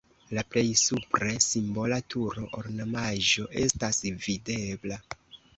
La plej supre simbola turo (ornamaĵo) estas videbla.